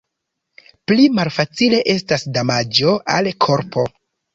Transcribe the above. Pli malfacile estas damaĝo al korpo.